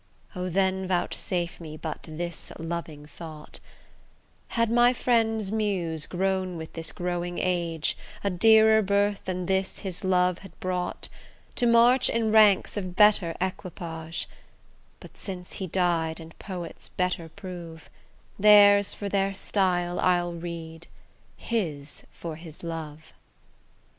O! then vouchsafe me but this loving thought: 'Had my friend's Muse grown with this growing age, A dearer birth than this his love had brought, To march in ranks of better equipage: But since he died and poets better prove, Theirs for their style I'll read, his for his love'.